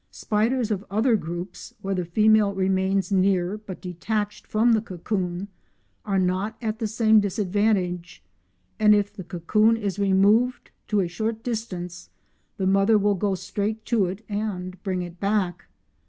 Spiders of other groups, where the female remains near but detached from the cocoon, are not at the same disadvantage, and if the cocoon is removed to a short distance the mother will go straight to it and bring it back.